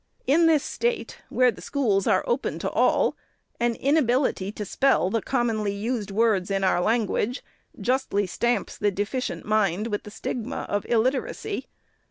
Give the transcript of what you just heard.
In this State, where the schools are open to all, an in ability to spell the commonly used words in our language justly stamps the deficient mind with the stigma of illit eracy.